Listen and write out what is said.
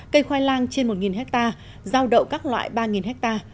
cây khoai lang trên một ha rau đậu các loại ba ha